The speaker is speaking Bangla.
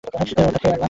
অর্থাৎ হে আল্লাহ!